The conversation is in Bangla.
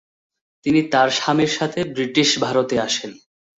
তিনি তার স্বামীর সাথে ব্রিটিশ ভারতে আসেন।